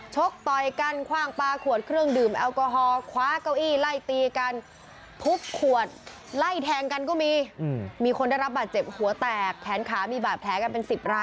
ชกต่อยกันคว่างปลาขวดเครื่องดื่มแอลกอฮอล์